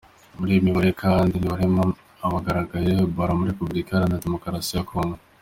Muri iyo mibare kandi ntihabarirwamo abagaragayeho Ebola muri Repubulika Iharanira Demokarasi ya Congo.